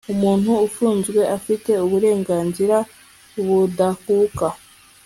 umuntu ufunzwe afite uburenganzira budakuka